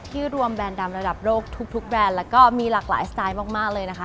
รวมแบรนดดำระดับโลกทุกแบรนด์แล้วก็มีหลากหลายสไตล์มากเลยนะคะ